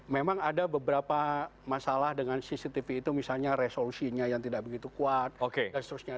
memang ada beberapa masalah dengan cctv itu misalnya resolusinya yang tidak begitu kuat dan seterusnya